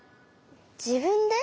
じぶんで？